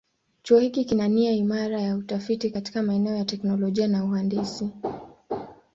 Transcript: Chuo hiki kina nia imara ya utafiti katika maeneo ya teknolojia na uhandisi.